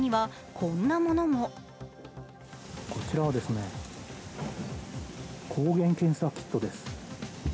こちらは抗原検査キットです。